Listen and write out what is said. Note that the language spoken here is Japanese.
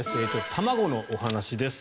卵のお話です。